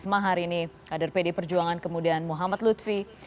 isma hari ini ada pdi perjuangan kemudian muhammad lutfi